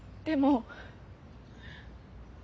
でも。